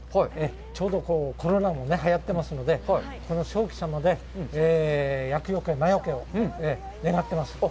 ちょうどコロナもはやってますのでこの鍾馗様で厄よけ、魔よけを願ってます。